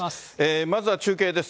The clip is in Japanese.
まずは中継です。